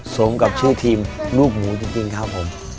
สมกับชื่อทีมลูกหมูจริงครับผม